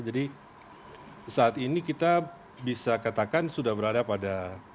jadi saat ini kita bisa katakan sudah berada pada fase